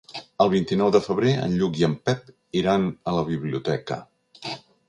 El vint-i-nou de febrer en Lluc i en Pep iran a la biblioteca.